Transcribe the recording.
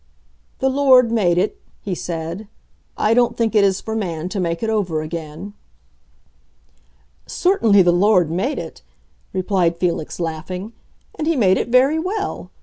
"The Lord made it," he said. "I don't think it is for man to make it over again." "Certainly the Lord made it," replied Felix, laughing, "and he made it very well.